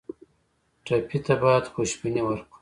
ټپي ته باید خوشبیني ورکړو.